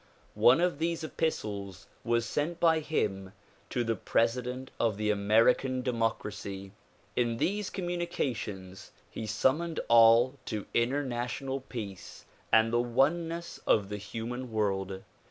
One of these epistles was sent by him to the president of the American democracy. In these com munications he summoned all to international peace and the one ness of the human world.